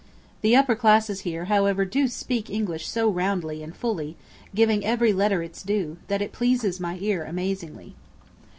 The upper classes, here, however, do speak English so roundly and fully, giving every letter its due, that it pleases my ear amazingly.